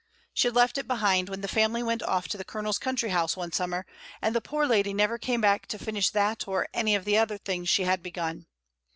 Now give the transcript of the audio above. She had left it behind when the family went off to the Colonel's country house one summer, and the poor lady never came back to finish that or any of the other things she had begun.